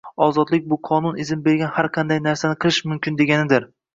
Ozodlik bu qonun izn bergan har qanday narsani qilish mumkin deganidir.